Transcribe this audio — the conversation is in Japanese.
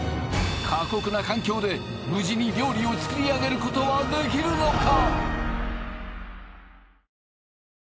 過酷な環境で無事に料理を作り上げることはできるのか！？